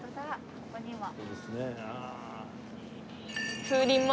ここにも。